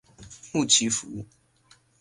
穆奇福。